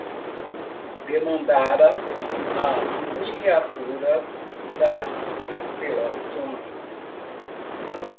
Demandara as miniaturas das constelações